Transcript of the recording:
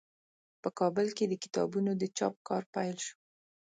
په کابل کې د کتابونو د چاپ کار پیل شو.